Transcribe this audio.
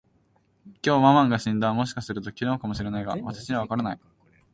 きょう、ママンが死んだ。もしかすると、昨日かも知れないが、私にはわからない。